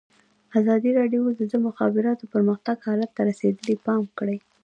ازادي راډیو د د مخابراتو پرمختګ حالت ته رسېدلي پام کړی.